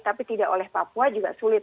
tapi tidak oleh papua juga sulit